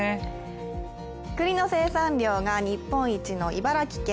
栗の生産量が日本一の茨城県。